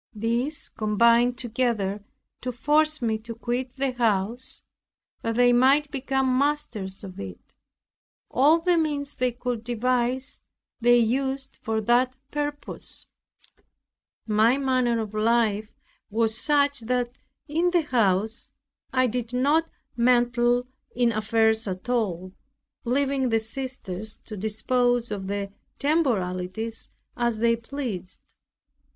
These combined together to force me to quit the house, that they might become masters of it. All the means they could devise they used for that purpose. My manner of life was such, that in the house I did not meddle in affairs at all, leaving the sisters to dispose of the temporalities as they pleased.